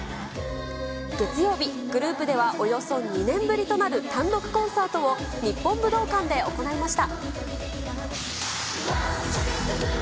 月曜日、グループではおよそ２年ぶりとなる単独コンサートを、日本武道館で行いました。